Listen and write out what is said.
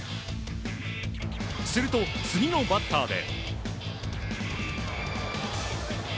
すると、次のバッターで。